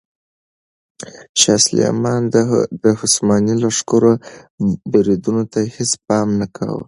شاه سلیمان د عثماني لښکرو بریدونو ته هیڅ پام نه کاوه.